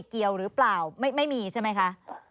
เกี่ยวหรือเปล่าไม่มีใช่ไหมคะ